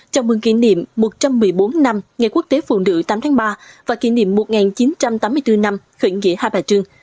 trong mương kỷ niệm một trăm một mươi bốn năm ngày quốc tế phụ nữ tám tháng ba và kỷ niệm một nghìn chín trăm tám mươi bốn năm khởi nghĩa hai bà trưng